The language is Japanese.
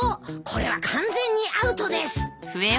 これは完全にアウトです！